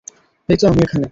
এই তো আমি এখানে।